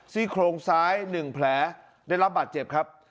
ซี่โครงซ้ายหนึ่งแผลได้รับบัตรเจ็บครับ